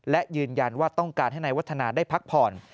และยืนยันว่าต้องการให้นายวัฒนาได้พักผ่อน